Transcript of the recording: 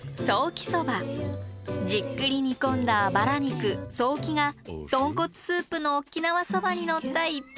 じっくり煮込んだあばら肉「ソーキ」が豚骨スープの沖縄そばにのった逸品。